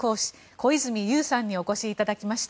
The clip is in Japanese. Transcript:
小泉悠さんにお越しいただきました。